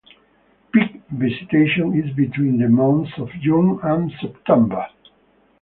Peak visitation is between the months of June and September.